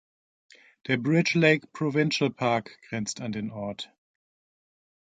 Der Bridge Lake Provincial Park grenzt an den Ort.